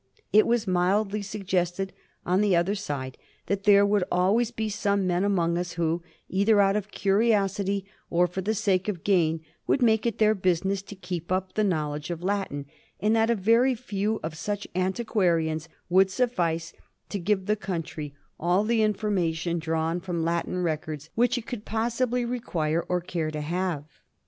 It was mildly suggested on the other side that there would always be some men among us who, ' either out of ctuiosity or for the sake of gain,' would make it their business to keep up the knowledge of Latin, and that a very few of such antiquarians would suflSce to give the country all the information drawn from Latin records Digiti zed by Google 1731 TOWNSHEND'S RETIREMENT. 397 which it could possibly require or care to have.